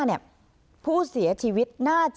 อันดับที่สุดท้าย